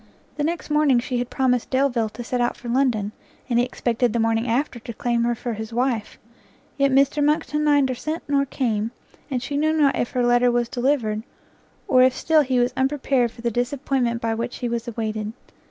The next morning she had promised Delvile to set out for London, and he expected the morning after to claim her for his wife; yet Mr Monckton neither sent nor came, and she knew not if her letter was delivered, or if still he was unprepared for the disappointment by which he was awaited.